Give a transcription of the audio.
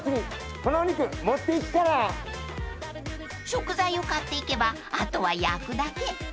［食材を買っていけばあとは焼くだけ］